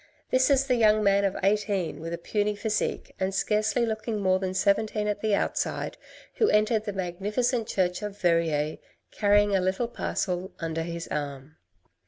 This is the young man of eighteen with a puny physique, and scarcely looking more than seventeen at the outside, who entered the magnificent church of Verrieres carrying a little parcel under his arm.